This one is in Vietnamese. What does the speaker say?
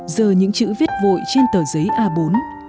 giờ những chữ viết vội trên tờ giấy a bốn